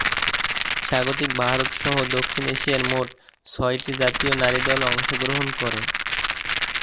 স্বাগতিক ভারত সহ দক্ষিণ এশিয়ার মোট ছয়টি জাতীয় নারী দল অংশগ্রহণ করে।